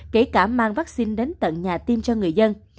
kể cả mang vaccine đến tận nhà tiêm cho người dân